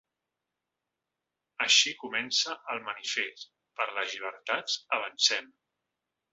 Així comença el manifest ‘Per les llibertats, avancem!’.